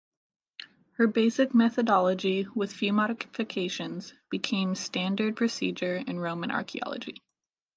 Her basic methodology, with few modifications, became standard procedure in Roman archaeology.